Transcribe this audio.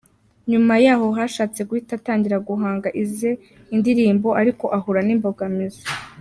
Nyuma yaho yashatse guhita atangira guhanga ize ndirimbo ariko ahura n’imbogamizi.